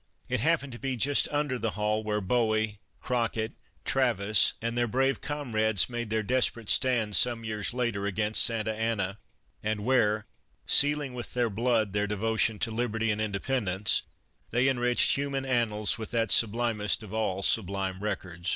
It happened to be just under the hall where Bowie, Crockett, Travis, and their brave comrades made their desperate stand some years later against Santa Anna and where, sealing with their blood their devotion to liberty and indepen dence, they enriched human annals with that sub limest of all sublime records.